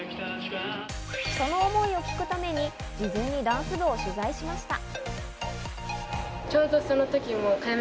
その思いを聞くために事前にダンス部を取材しました。